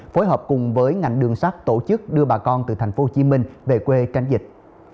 phối hợp cùng với ngành đường sắt tổ chức đưa bà con từ tp hcm về quê tránh dịch